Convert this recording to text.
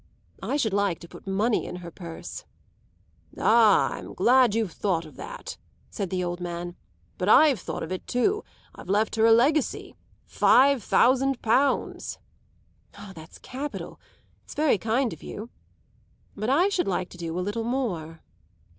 I should like to put money in her purse." "Ah, I'm glad you've thought of that," said the old man. "But I've thought of it too. I've left her a legacy five thousand pounds." "That's capital; it's very kind of you. But I should like to do a little more."